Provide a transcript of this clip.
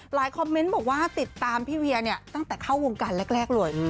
คอมเมนต์บอกว่าติดตามพี่เวียเนี่ยตั้งแต่เข้าวงการแรกเลย